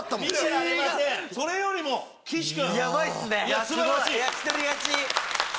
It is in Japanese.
それよりも岸君！